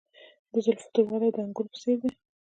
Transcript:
د زلفو توروالی د انګورو په څیر دی.